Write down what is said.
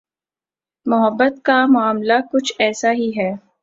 محبت کا معاملہ کچھ ایسا ہی ہے۔